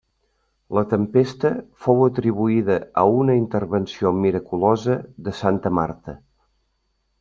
La tempesta fou atribuïda a una intervenció miraculosa de santa Marta.